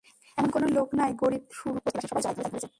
এমন কোনো লোক নাই গরিব থেকে শুরু করে বস্তিবাসী সবাই জড়ায় ধরেছে।